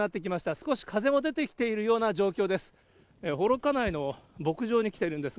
少し風も出てきているような状況です。